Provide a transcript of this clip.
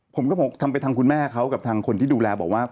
ผมก็บอกทำไปทางคุณแม่เขากับทางคนที่ดูแลบอกว่า